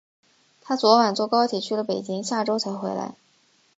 她昨晚坐高铁去了北京，下周才回来。